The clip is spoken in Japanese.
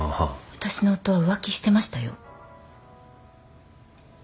私の夫は浮気してましたよ。